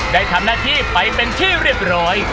ได้ทำหน้าที่ไปเป็นที่เรียบร้อย